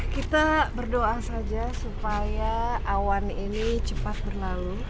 kita berdoa saja supaya awan ini cepat berlalu